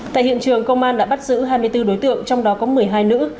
tại hiện trường công an đã bắt giữ hai mươi bốn đối tượng trong đó có một mươi hai nữ